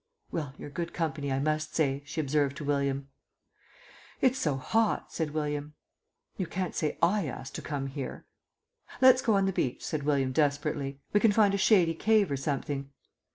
"Well, you're good company, I must say," she observed to William. "It's so hot," said William. "You can't say I asked to come here." "Let's go on the beach," said William desperately. "We can find a shady cave or something."